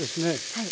はい。